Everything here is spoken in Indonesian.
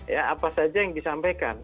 ya apa saja yang disampaikan